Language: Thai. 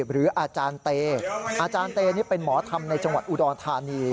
หรืออาจารย์เตอาจารย์เตนี่เป็นหมอธรรมในจังหวัดอุดรธานี